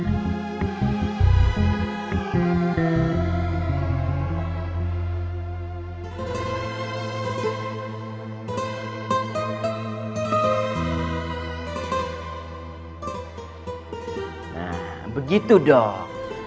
nah begitu dong